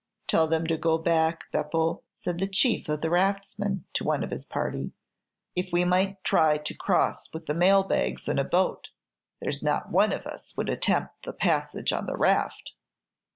"Tell them to go back, Beppo," said the chief of the raftsmen to one of his party. "If we might try to cross with the mail bags in a boat, there's not one of us would attempt the passage on the raft."